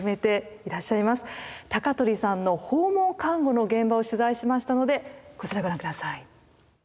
高取さんの訪問看護の現場を取材しましたのでこちらご覧下さい。